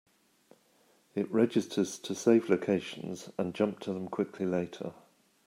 It registers to save locations and jump to them quickly later.